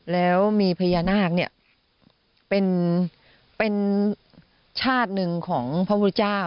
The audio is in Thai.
แล้วมีพญานาคเป็นชาติหนึ่งของพระพุทธเจ้า